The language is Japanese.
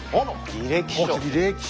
履歴書。